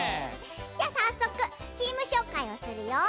じゃあさっそくチームしょうかいをするよ。